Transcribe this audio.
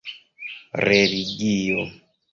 religio